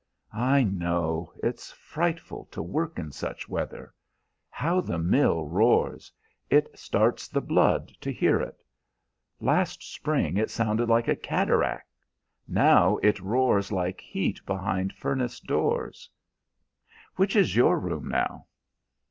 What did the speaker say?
"I know; it's frightful to work in such weather. How the mill roars! It starts the blood to hear it. Last spring it sounded like a cataract; now it roars like heat behind furnace doors. Which is your room now?"